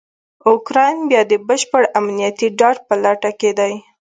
اوکرایین بیا دبشپړامنیتي ډاډ په لټه کې دی.